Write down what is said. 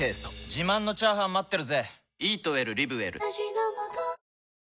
自慢のチャーハン待ってるぜ！